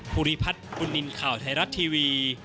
ภูริพัฒน์บุญนินทร์ข่าวไทยรัฐทีวี